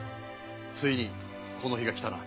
ついにこの日が来たな。